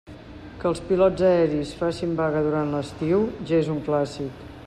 Que els pilots aeris facin vaga durant l'estiu, ja és un clàssic.